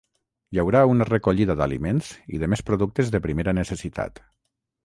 Hi haurà una recollida d’aliments i de més productes de primera necessitat.